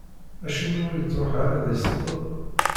Acimi ur ittruḥu ara ad d-iṣeṭṭel?